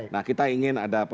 nah kita ingin ada